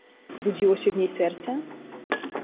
"Budziło się w niej serce?"